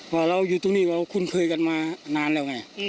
ว่าเราอยู่ตรงนี้เราคุ้นเคยกันมานานแล้วไง